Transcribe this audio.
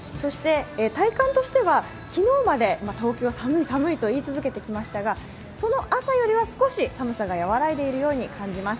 体感としては昨日まで東京は寒い、寒いと言い続けてきましたがその朝よりは少し、寒さが和らいでいるように感じます。